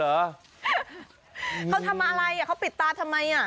เขาทำอะไรเขาปิดตาทำไม